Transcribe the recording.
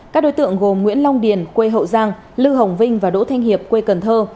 các đối tượng gồm nguyễn long điền quê hậu giang lưu hồng vinh và đỗ thanh hiệp quê cần thơ